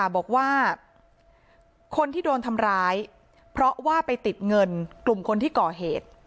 บอกว่าคนที่โดนทำร้ายเพราะว่าไปติดเงินกลุ่มคนที่ก่อเหตุ